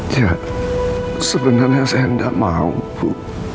ya sebenarnya saya tidak mau bu